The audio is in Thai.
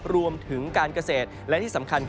รวมถึงการเกษตรและที่สำคัญ